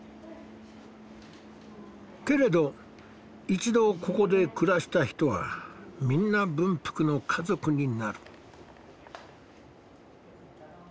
けれど一度ここで暮らした人はみんな文福の家族になる。